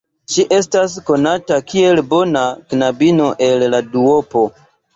Ŝi estas konata kiel bona knabino el la duopo.